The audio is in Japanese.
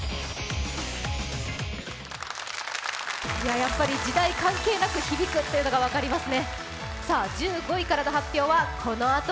やっぱり時代関係なく響くということがわかりますね。